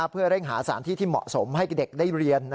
เพื่อเร่งหาสารที่ที่เหมาะสมให้กับเด็กได้เรียน